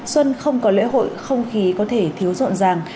xuân không có lễ hội không khí có thể thiếu rộn ràng